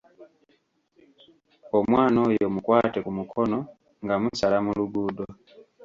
Omwana oyo mukwate ku mukono nga musala mu luguuddo.